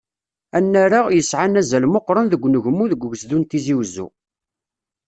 Annar-a, yesɛan azal meqqren deg unegmu deg ugezdu n Tizi Uzzu.